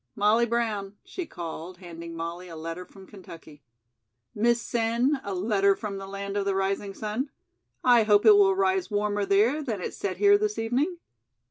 "Molly Brown," she called, handing Molly a letter from Kentucky. "Miss Sen, a letter from the Land of the Rising Sun. I hope it will rise warmer there than it set here this evening.